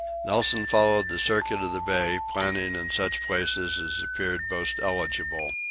Nelson followed the circuit of the bay, planting in such places as appeared most eligible.